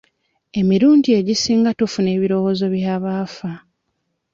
Emirundi egisinga tufuna ebirowoozo by'abaafa.